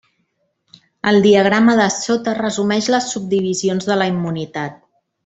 El diagrama de sota resumeix les subdivisions de la immunitat.